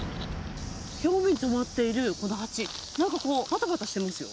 表面に止まっているこのハチ、なんかこう、ぱたぱたしてますよ。